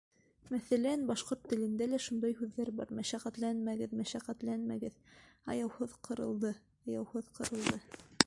Мәҫәлән, башҡорт телендә лә шундай һүҙҙәр бар: мәшәҡәтләнмәгеҙ — мәшәҡәтләмәгеҙ, аяуһыҙ ҡырылды — яуһыҙ ҡырылды.